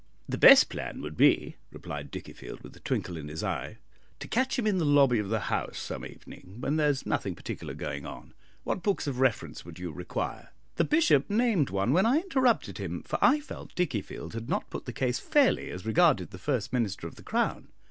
"The best plan would be," replied Dickiefield, with a twinkle in his eye, "to catch him in the lobby of the House some evening when there is nothing particular going on. What books of reference would you require?" The Bishop named one, when I interrupted him, for I felt Dickiefield had not put the case fairly as regarded the first Minister of the Crown.